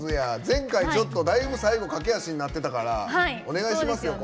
前回ちょっとだいぶ最後駆け足になってたからお願いしますよ